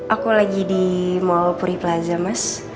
aku lagi di mall puri plaza mas